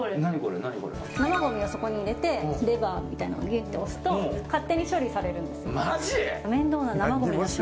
生ごみをそこに入れてレバーをぎゅっと押すと勝手に処理されるんです。